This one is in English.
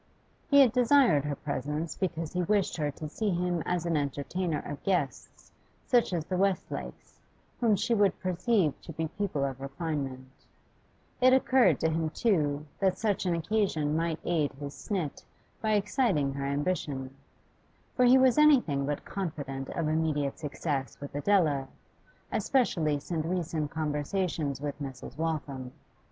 He had desired her presence because he wished her to see him as an entertainer of guests such as the Westlakes, whom she would perceive to be people of refinement; it occurred to him, too, that such an occasion might aid his snit by exciting her ambition; for he was anything but confident of immediate success with Adela, especially since recent conversations with Mrs. Waltham.